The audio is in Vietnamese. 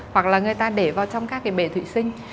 hoặc là người ta để vào trong các cái bể thủy sinh